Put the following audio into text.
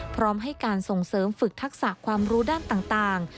พร้อมให้การส่งเสริมฝึกทักษะความรู้ด้านต่าง